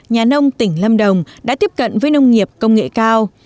nhà nông tỉnh lâm đồng đã tiếp cận với nông nghiệp công nghệ cao